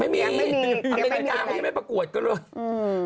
ไม่มีอเมริกาแล้วยังไม่ปรากวดก็เลย